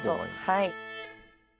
はい。